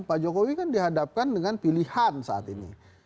pak jokowi kan dihadapkan dengan pilihan saat ini